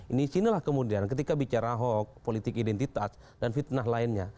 ini sinilah kemudian ketika bicara hoax politik identitas dan fitnah lainnya